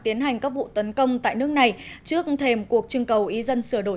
tiến hành các vụ tấn công tại nước này trước thềm cuộc trưng cầu ý dân sửa đổi